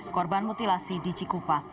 korban mutilasi di cikupa